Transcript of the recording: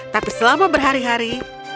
tapi selama berhari hari